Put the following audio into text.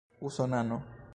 usonano